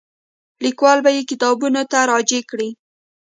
لیکوال به یې کتابونو ته راجع کړي.